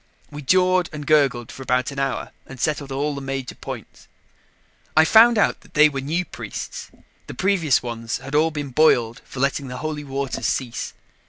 We jawed and gurgled for about an hour and settled all the major points. I found out that they were new priests; the previous ones had all been boiled for letting the Holy Waters cease.